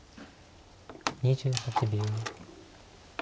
２８秒。